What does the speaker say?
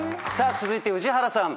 続いて宇治原さん。